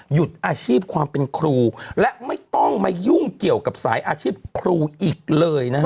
หยุดอาชีพความเป็นครูและไม่ต้องมายุ่งเกี่ยวกับสายอาชีพครูอีกเลยนะฮะ